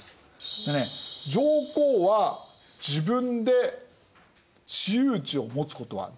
でね上皇は自分で私有地を持つことはできないでしょう？